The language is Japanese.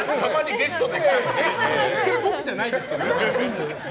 それ僕じゃないですけどね。